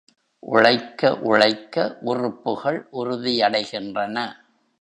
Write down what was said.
உழைக்க உழைக்க உறுப்புக்கள் உறுதியடைகின்றன.